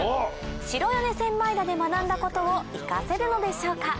白米千枚田で学んだことを生かせるのでしょうか？